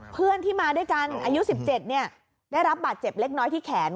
เพื่อนที่มาด้วยกันอายุ๑๗ได้รับบาดเจ็บเล็กน้อยที่แขน